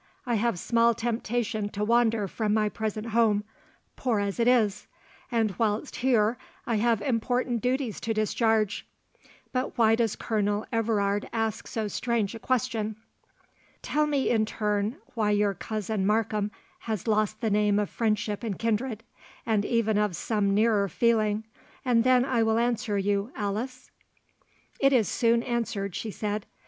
"I have small temptation to wander from my present home, poor as it is; and whilst here, I have important duties to discharge. But why does Colonel Everard ask so strange a question?" "Tell me in turn, why your cousin Markham has lost the name of friendship and kindred, and even of some nearer feeling, and then I will answer you, Alice?" "It is soon answered," she said.